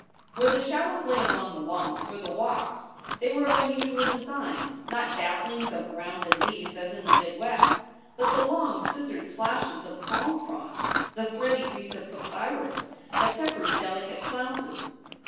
Where the shadows lay along the lawns or the walks they were of unusual design, not dapplings of rounded leaves as in the mid West, but the long scissored slashes of palm fronds, the thready reeds of papyrus, the pepper s delicate flounces.